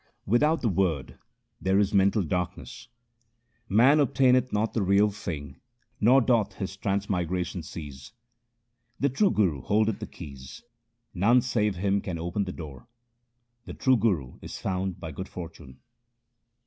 Without the Word there is mental darkness, Man obtaineth not the Real Thing, nor doth his transmigra tion cease. The true Guru holdeth the keys ; none save him can open the door ; the true Guru is found by good fortune.